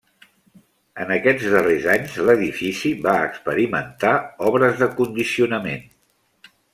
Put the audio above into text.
En aquests darrers anys l'edifici va experimentar obres de condicionament.